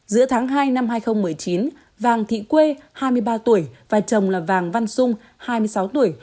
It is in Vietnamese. giữa tháng hai năm hai nghìn một mươi chín vàng thị quê hai mươi ba tuổi và chồng là vàng văn sung hai mươi sáu tuổi